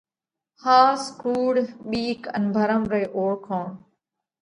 ۿاس ڪُوڙ، ٻِيڪ ان ڀرم رئِي اوۯکوڻ :